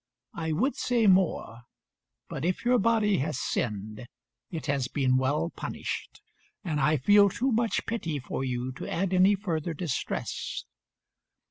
I would say more, but if your body has sinned it has been well punished, and I feel too much pity for you to add any further distress."